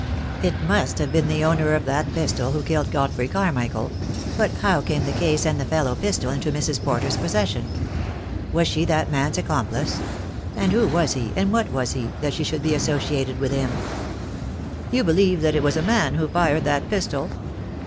It must have been the owner of that pistol who killed Godfrey Carmichael — but how came the case and the fellow pistol into Mrs. Porter's possession? Was she that man's accomplice? And who was he, and what was he, that she should be associated with him?" THE DAY WILL COME. 1 89 "You believe that it was a man who fired that pistol?"